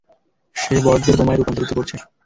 সে বটদের বোমায় রূপান্তরিত করছে!